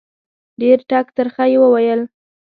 ډېر ټک ترخه یې وویل.